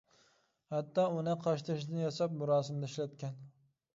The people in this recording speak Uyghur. ھەتتا ئۇنى قاشتېشىدىن ياساپ مۇراسىمدا ئىشلەتكەن.